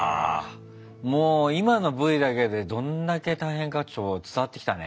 もう今のＶだけでどんだけ大変か伝わってきたね。